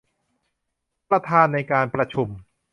ประธานในการประชุม